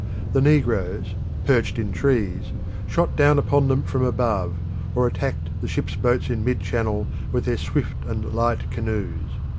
The negroes, perched in trees, shot down upon them from above, or attacked the ships' boats in mid channel with their swift and light canoes.